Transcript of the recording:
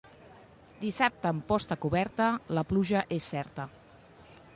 Dissabte amb posta coberta, la pluja és certa.